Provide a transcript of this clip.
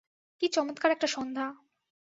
কী চমৎকার একটা সন্ধ্যা!